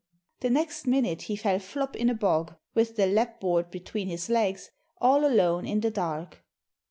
The next minute he fell flop in a bog, with the lapboard between his legs, all alone in the dark.